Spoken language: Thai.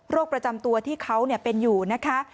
ประจำตัวที่เขาเป็นอยู่นะคะ